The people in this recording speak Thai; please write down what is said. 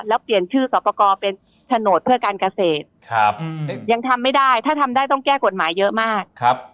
แล้วเปลี่ยนชื่อสอบประกอบเป็นโฉนดเพื่อการเกษตรยังทำไม่ได้ถ้าทำได้ต้องแก้กฎหมายเยอะมาก